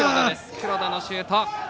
黒田のシュート！